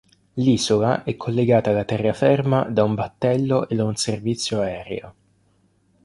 L'isola è collegata alla terraferma da un battello e da un servizio aereo.